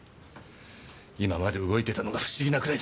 今まで動いていたのが不思議なくらいだ。